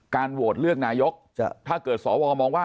การโหวดเลือกนายกถ้าเกิดสอบวางมองว่า